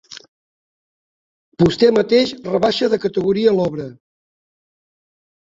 Vostè mateix rebaixa de categoria l'obra.